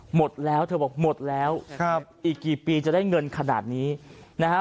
หมดแล้วเธอบอกหมดแล้วครับอีกกี่ปีจะได้เงินขนาดนี้นะฮะ